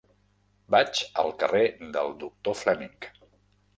Vaig al carrer del Doctor Fleming.